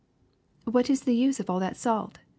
'' '*What is the use of all that salt!"